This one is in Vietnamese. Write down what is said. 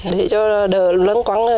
để cho đỡ lớn quắn